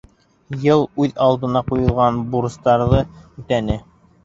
— Йыл үҙ алдына ҡуйылған бурыстарҙы үтәне.